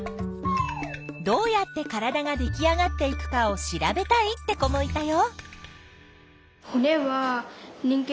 どうやって体ができあがっていくかを調べたいって子もいたよ。